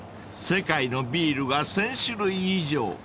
［世界のビールが１，０００種類以上］